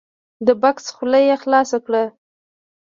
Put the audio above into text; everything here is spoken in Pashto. د بکس خوله یې خلاصه کړه !